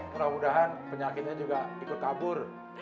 mudah mudahan penyakitnya juga ikut kabur